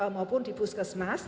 maupun di puskesmas